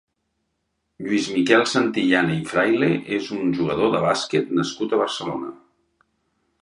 Lluís Miquel Santillana i Fraile és un jugador de bàsquet nascut a Barcelona.